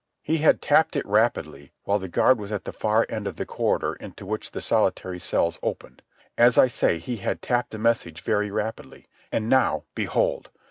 He had tapped it rapidly, while the guard was at the far end of the corridor into which the solitary cells opened. As I say, he had tapped the message very rapidly. And now behold!